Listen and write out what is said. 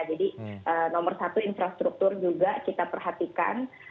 jadi nomor satu infrastruktur juga kita perhatikan